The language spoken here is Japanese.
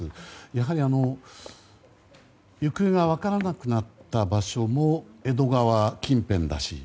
やはり、行方が分からなくなった場所も江戸川近辺だし。